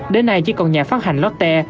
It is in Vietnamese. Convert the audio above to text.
đến nay chỉ còn nhà phát hành lotte